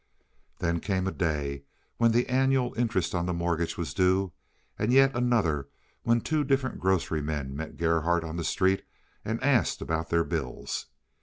Then came a day when the annual interest on the mortgage was due, and yet another when two different grocery men met Gerhardt on the street and asked about their little bills.